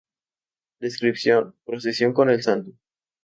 Descripción: procesión con el santo.